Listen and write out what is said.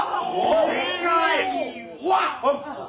世界は！